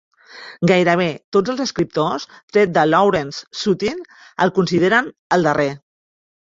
Gairebé tots els escriptors, tret de Lawrence Sutin, el consideren el darrer.